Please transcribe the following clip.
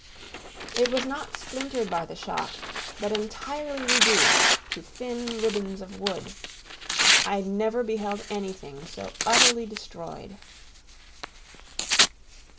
It was not splintered by the shock, but entirely reduced to thin ribbons of wood. I never beheld anything so utterly destroyed.